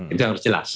itu yang harus jelas